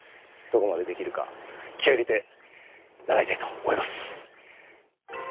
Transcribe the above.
どこまでできるか気合い入れて習いたいと思います。